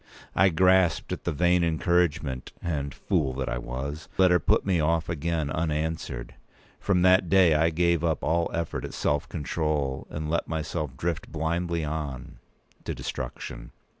I grasped at the vain encouragement, and, fool that I was! let her put me off again unanswered. From that day, I gave up all effort at self control, and let myself drift blindly on—to destruction.